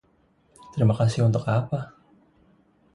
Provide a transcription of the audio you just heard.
Terima kasih untuk apa?